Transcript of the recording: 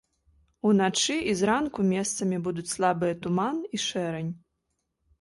Уначы і зранку месцамі будуць слабыя туман і шэрань.